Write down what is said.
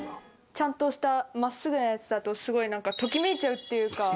ちゃんとした真っすぐなやつだとすごいなんかときめいちゃうっていうか。